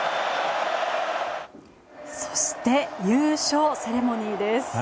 そして優勝セレモニーです。